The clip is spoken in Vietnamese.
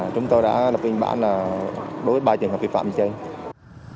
chúng tôi đã lập biên bản là đối với ba trường hợp vi phạm như thế